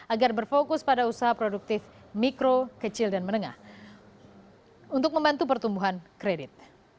agar berfokus pada usaha produktif mikro kecil dan menengah untuk membantu pertumbuhan kredit